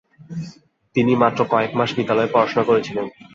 তিনি মাত্র কয়েক মাস বিদ্যালয়ে পড়াশোনা করেছিলেন।